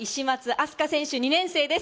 愛朱加選手・２年生です。